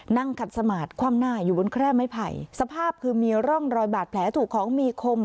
นั่งขัดสมาร์ทคว่ำหน้าอยู่บนแคร่ไม้ไผ่สภาพคือมีร่องรอยบาดแผลถูกของมีคม